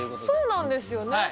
そうなんですよね。